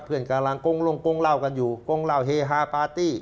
เพื่อนกำลังกงลงกงเล่ากันอยู่กงเล่าเฮฮาปาร์ตี้